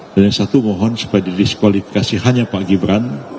dan yang satu mohon supaya didiskualifikasi hanya pak gibran